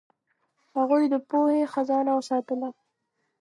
هغوی د پوهې خزانه وساتله.